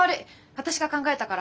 私が考えたから。